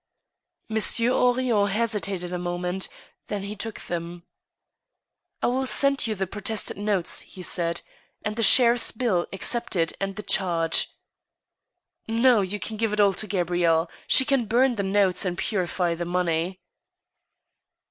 Monsieur Henrion hesitated a moment, then he took them. " I will send you the protested notes," he said, " and the sheriff's bill, accepted, and the change." " No, you can give it all to Gabrielle ; she can bum the notes, and purify the money."